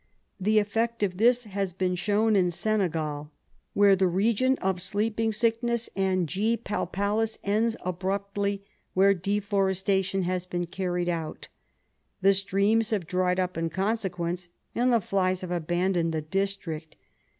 The effect of this has been shown in Senegal, where the region of sleeping sickness and G. palpalis ends abruptly where deforestation has been carried out. The streams have dried up in consequence, and the flies have abandoned the district.